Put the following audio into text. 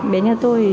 bé nhà tôi